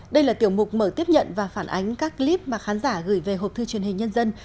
đây là tiểu mục mở tiếp nhận và phản ánh các clip mà khán giả gửi về học thư truyền hình nhân dân